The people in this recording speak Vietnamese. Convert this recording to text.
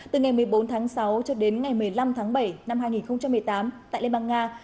từ ngày một mươi bốn tháng sáu cho đến ngày một mươi năm tháng bảy năm hai nghìn một mươi tám tại liên bang nga